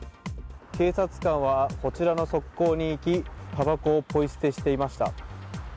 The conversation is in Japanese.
警察官はこちらの側溝に行きたばこをポイ捨てしていました。